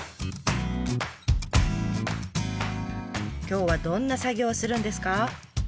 今日はどんな作業をするんですか？